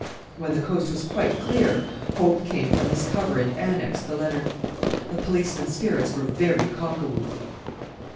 When the coast was quite clear Hope came from his cover and annexed the letter. The policeman's spirits were very cock a whoop.